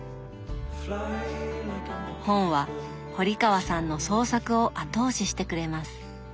本は堀川さんの創作を後押ししてくれます。